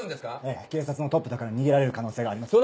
ええ警察のトップだから逃げられる可能性があります。